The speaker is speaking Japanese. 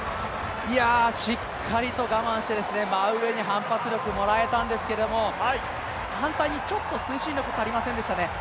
しっかりと我慢して真上に反発力もらえたんですけれども、反対にちょっと推進力足りませんでしたね。